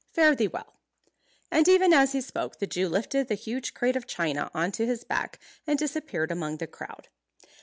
Fare thee well." And even as he spoke the Jew lifted the huge crate of china on to his back, and disappeared among the crowd.